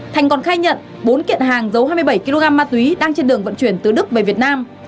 thành còn khai nhận bốn kiện hàng giấu hai mươi bảy kg ma túy đang trên đường vận chuyển từ đức về việt nam